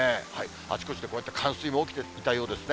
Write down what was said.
あちこちでこうやって冠水も起きていたようですね。